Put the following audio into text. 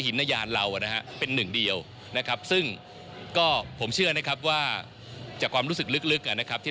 อยู่อีกไทยก็เป็นหนึ่งเดียวนะครับซึ่งก็ผมเชื่อนะครับว่าจะพรุ่งรอปภูมิ